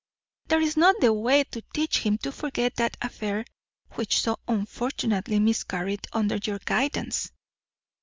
That is not the way to teach him to forget that affair, which so unfortunately miscarried under your guidance."